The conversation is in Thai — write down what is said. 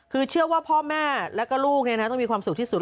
คือเชื่อว่าพ่อแม่แล้วก็ลูกต้องมีความสุขที่สุด